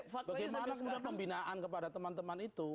bagaimana sebenarnya pembinaan kepada teman teman itu